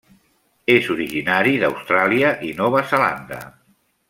És originari d'Austràlia i Nova Zelanda.